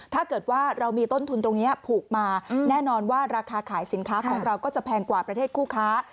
ถ้าเกิดว่าเรามีต้นทุนตรงนี้ผูกมาแน่นอนว่าราคาขายสินค้าของเราก็จะแพงกว่าประเทศคู่ค้า